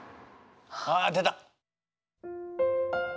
あ出た！